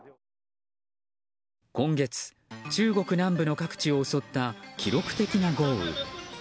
今月、中国南部の各地を襲った記録的な豪雨。